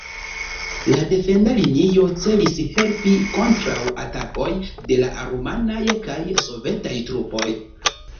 La defenda linio celis helpi kontraŭ atakoj de la rumanaj kaj sovetaj trupoj.